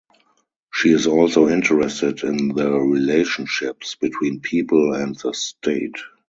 She is also interested in the relationships between people and the state.